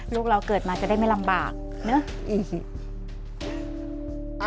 ลูกเราเกิดมาจะได้ไม่ลำบากเนอะอีก